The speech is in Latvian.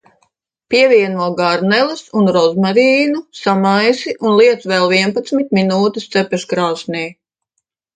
Pievieno garneles un rozmarīnu, samaisi un liec vēl vienpadsmit minūtes cepeškrāsnī.